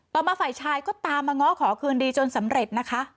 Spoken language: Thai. ต่อมาฝ่ายชายก็ตามมาง้อขอคืนดีจนสำเร็จนะคะ